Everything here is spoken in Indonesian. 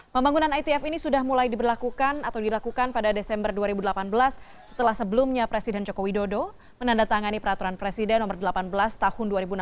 pembangunan itf ini sudah mulai diberlakukan atau dilakukan pada desember dua ribu delapan belas setelah sebelumnya presiden joko widodo menandatangani peraturan presiden nomor delapan belas tahun dua ribu enam belas